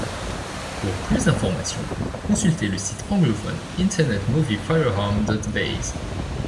Pour plus d'informations, consulter le site anglophone Internet Movie Firearms Database.